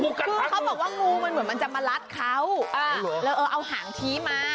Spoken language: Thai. อุ๊ยเขาบอกว่างงูเหมือนจะมารัดเขาเออเอาหางที้มา